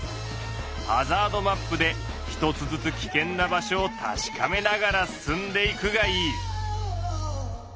ハザードマップで一つずつ危険な場所をたしかめながら進んでいくがいい！